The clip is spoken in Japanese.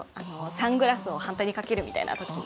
サングラスを反対にかけるみたいな。